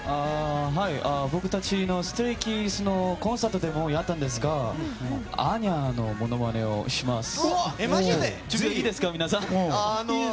僕たちＳｔｒａｙＫｉｄｓのコンサートでもやったんですがアーニャのものまねをします。